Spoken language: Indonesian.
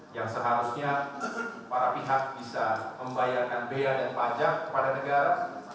yang seharusnya para pihak bisa membayarkan bea dan pajak kepada negara